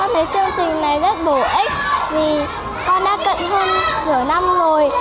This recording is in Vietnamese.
mặt này rất bổ ích vì con đã cận hơn nửa năm rồi